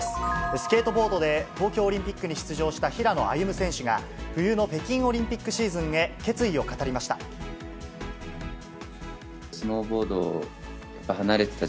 スケートボードで東京オリンピックに出場した平野歩夢選手が、冬の北京オリンピックシーズンへ、決意を語りました。